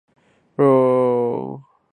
马都拉沙嗲使用的肉块比其他沙嗲薄。